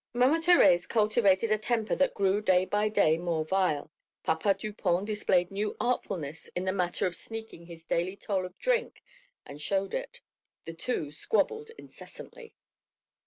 Mama Thérèse cultivated a temper that grew day by day more vile, Papa Dupont displayed new artfulness in the matter of sneaking his daily toll of drink and showed it; the two squabbled incessantly.